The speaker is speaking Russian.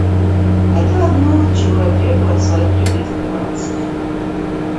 Это одно, чего я требую от своих любезных братцев.